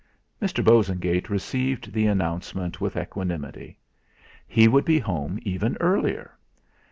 Mr. Bosengate received the announcement with equanimity. He would be home even earlier!